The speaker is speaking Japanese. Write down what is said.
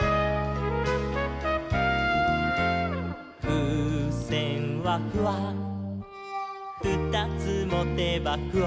「ふうせんはフワふたつもてばフワ」